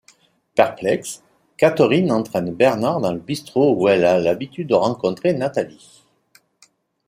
Perplexe, Catherine entraîne Bernard dans le bistrot où elle a l'habitude de rencontrer Nathalie.